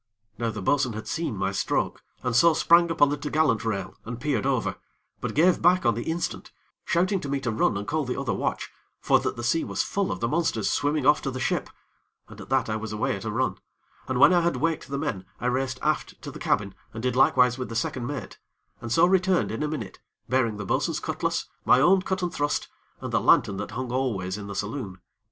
Now the bo'sun had seen my stroke, and so sprang upon the t'gallant rail, and peered over; but gave back on the instant, shouting to me to run and call the other watch, for that the sea was full of the monsters swimming off to the ship, and at that I was away at a run, and when I had waked the men, I raced aft to the cabin and did likewise with the second mate, and so returned in a minute, bearing the bo'sun's cutlass, my own cut and thrust, and the lantern that hung always in the saloon.